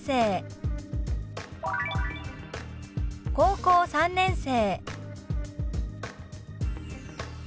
「高校３年生」。